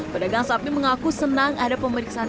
pedagang sapi mengaku senang ada pemeriksaan